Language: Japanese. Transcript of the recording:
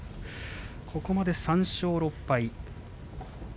ここまで３勝６敗。